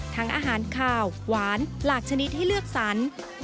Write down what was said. อาหารขาวหวานหลากชนิดให้เลือกสรร